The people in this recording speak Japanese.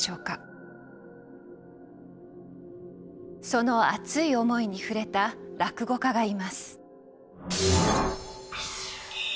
その熱い思いに触れた落語家がいます。